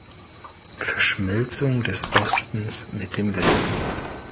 Verschmelzung des Ostens mit dem Westen.